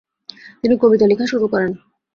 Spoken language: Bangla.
তিনি কবিতা লেখা শুরু করেন।